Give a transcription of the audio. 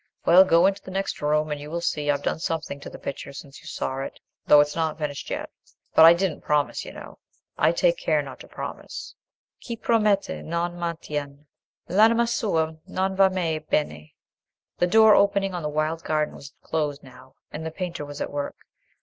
Well, go on into the next room, and you will see I've done something to the picture since you saw it, though it's not finished yet. But I didn't promise, you know: I take care not to promise:— "'Chi promette e non mantiene L'anima sua non va mai bene.'" The door opening on the wild garden was closed now, and the painter was at work.